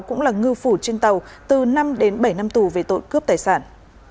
cũng là ngư phủ trên tàu từ năm đến bảy năm tù về tội cướp tài sản